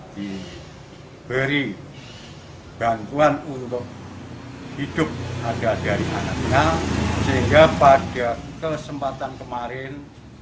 diberi bantuan untuk hidup ada dari anaknya sehingga pada kesempatan kemarin